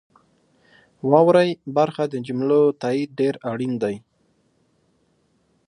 واورئ برخه د جملو تایید ډیر اړین دی.